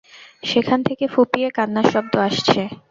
সেখান থেকে ফুঁপিয়ে কান্নার শব্দ আসছে।